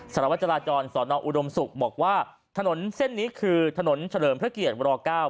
สารวจราจรสอนออุดมศุกร์บอกว่าถนนเส้นนี้คือถนนเฉลิมพระเกียรติร๙